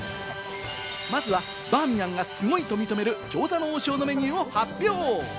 まずはバーミヤンがすごいと認める餃子の王将のメニューを発表。